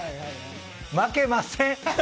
負けません。